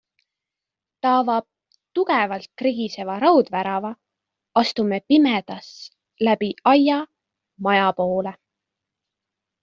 Ta avab tugevalt krigiseva raudvärava, astume pimedas läbi aia maja poole.